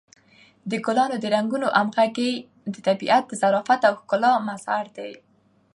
د ګلانو د رنګونو همغږي د طبیعت د ظرافت او ښکلا مظهر دی.